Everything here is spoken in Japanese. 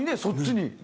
そっちに。